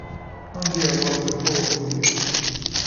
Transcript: Handy Awards the following year.